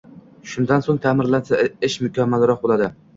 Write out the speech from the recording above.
Shundan so‘ng ta’mirlansa, ish mukammalroq bo‘ladi.